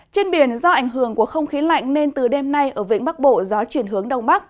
trên biển do ảnh hưởng của không khí lạnh nên từ đêm nay ở vĩnh bắc bộ gió chuyển hướng đông bắc